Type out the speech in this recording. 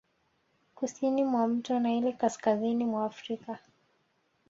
Kusini mwa mto Naili kaskazini mwa Afrika